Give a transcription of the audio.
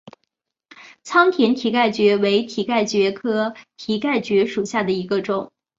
仓田蹄盖蕨为蹄盖蕨科蹄盖蕨属下的一个种。